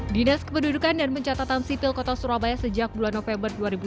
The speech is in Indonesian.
dinas kependudukan dan pencatatan sipil kota surabaya sejak bulan november dua ribu tujuh belas